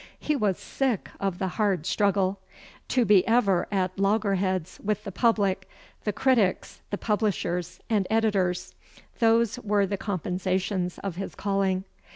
He was sick of the hard struggle. To be ever at loggerheads with the public, the critics, the publishers, and editors those were the compensations of his calling.